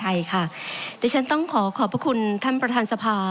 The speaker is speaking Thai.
การชื่นรายชื่อพรรคภูมิใจไทยค่ะดิฉันต้องขอขอบคุณท่านประทานสภา